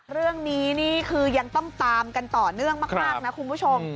เรื่องนี้นี่คือยังต้องตามกันต่อเนื่องมากนะคุณผู้ชม